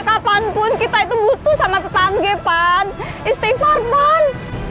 kapanpun kita itu butuh sama tetangga pan istighfar ban